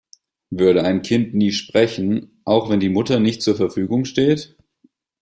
Würde ein Kind nie sprechen, auch wenn die Mutter nicht zur Verfügung steht?